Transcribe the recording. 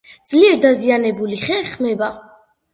ძლიერ დაზიანებული ხე ხმება.